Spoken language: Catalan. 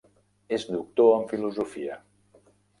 És doctor en Filosofia.